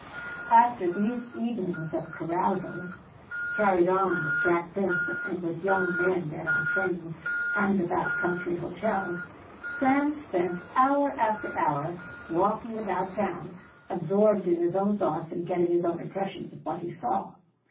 After these evenings of carousal, carried on with Jack Prince and with young men met on trains and about country hotels, Sam spent hour after hour walking about town absorbed in his own thoughts and getting his own impressions of what he saw.